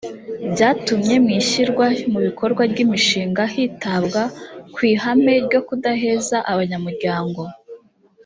byatumye mu ishyirwa mu bikorwa ry’imishinga hitabwa ku ihame ryo kudaheza abanyamuryango.